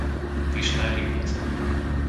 Vyšná Rybnica